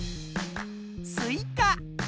スイカ。